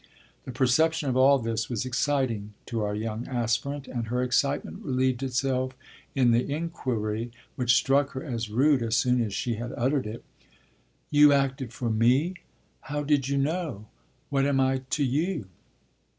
The perception of all this was exciting to our young aspirant, and her excitement relieved itself in the inquiry, which struck her as rude as soon as she had uttered it: "You acted for 'me'? How did you know? What am I to you?"